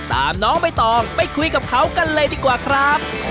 น้องใบตองไปคุยกับเขากันเลยดีกว่าครับ